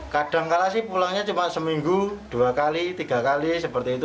kadangkala sih pulangnya cuma seminggu dua kali tiga kali seperti itu